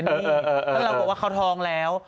ถ้าเราบอกว่าเขาท้องแล้ว